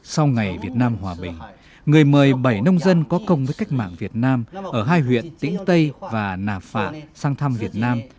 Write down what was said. sau ngày việt nam hòa bình người mời bảy nông dân có công với cách mạng việt nam ở hai huyện tĩnh tây và nà phạ sang thăm việt nam